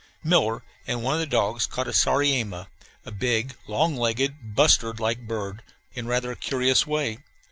Miller and one of the dogs caught a sariema, a big, long legged, bustard like bird, in rather a curious way.